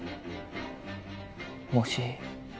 もし